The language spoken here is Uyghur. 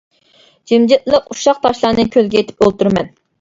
جىمجىتلىق، ئۇششاق تاشلارنى كۆلگە ئېتىپ ئولتۇرىمەن.